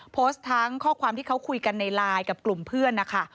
โพสต์ทั้งข้อความที่เขาคุยกันในไลน์กับกลุ่มเพื่อนนะคะ